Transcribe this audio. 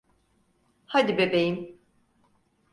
Hadi, bebeğim.